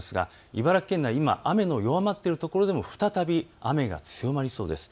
茨城県内、今、雨は弱まっているところでも再び雨が強まりそうです。